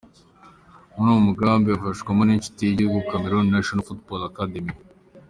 Muri uwo mugambi abifashwamwo n'ishuli ry'igihugu "Cameroon National Football Academy".